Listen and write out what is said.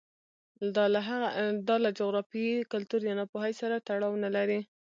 دا له جغرافیې، کلتور یا ناپوهۍ سره تړاو نه لري